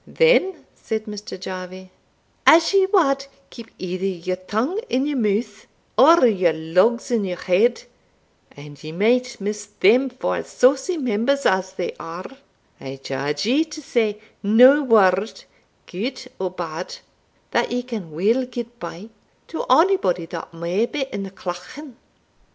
"Then," said Mr. Jarvie, "as ye wad keep either your tongue in your mouth, or your lugs in your head (and ye might miss them, for as saucy members as they are), I charge ye to say nae word, gude or bad, that ye can weel get by, to onybody that may be in the Clachan.